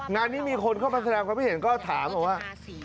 งานนี้มีคนเขาพัฒนาความไม่เห็นก็ถามว่า